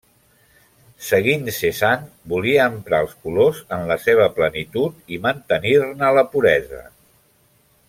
Seguint Cézanne, volia emprar els colors en la seva plenitud i mantenir-ne la puresa.